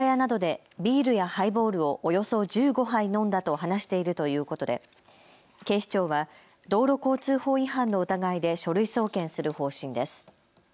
調べに対し前日の昼ごろから居酒屋などでビールやハイボールをおよそ１５杯飲んだと話しているということで警視庁は道路交通法違反の疑いで書類送検する方針です。